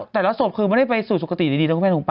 แต่ละสดคือไม่ได้ไปสู่สุขติดีแล้วคุณแม่ถูกปะ